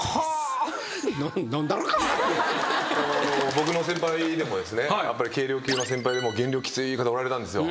僕の先輩でもですね軽量級の先輩でも減量きつい方おられたんですよ。